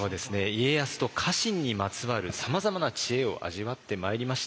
家康と家臣にまつわるさまざまな知恵を味わってまいりました。